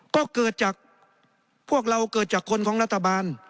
ก็เกิดจากพวกเราเกิดจากคนของรัฐบาล